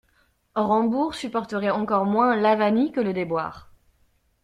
Rambourg supporterait encore moins l'avanie que le déboire.